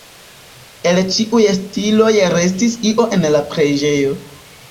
El ĉiuj stiloj restis io en la preĝejo.